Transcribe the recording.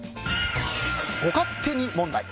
「ご勝手に問題」。